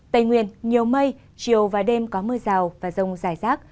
tây nguyên nhiều mây chiều và đêm có mưa rào và rông rải rác